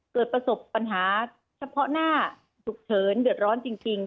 เกิดประสบปัญหาเฉพาะหน้าฉุกเฉินเดือดร้อนจริง